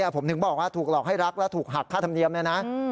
ผมถึงบอกว่าถูกหลอกให้รักและถูกหักค่าธรรมเนียมเนี่ยนะ